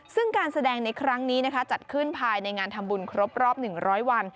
ซึ่งการแสดงในครั้งนี้จัดขึ้นภายในงานทำบุญครบรอบ๑๐๐วัน